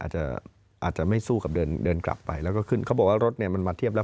อาจจะอาจจะไม่สู้กับเดินกลับไปแล้วก็ขึ้นเขาบอกว่ารถเนี่ยมันมาเทียบแล้ว